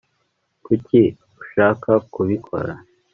kuki ushaka kubikora